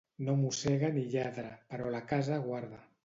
No mossega ni lladra, però la casa guarda.